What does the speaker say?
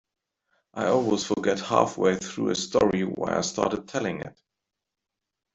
I always forget halfway through a story why I started telling it.